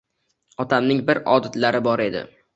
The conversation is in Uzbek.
Otamning bir odatlari bor edi